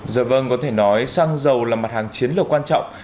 giờ vâng có thể nói xăng dầu là mặt hàng chiến lược quan trọng